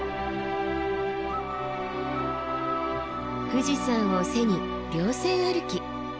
富士山を背に稜線歩き。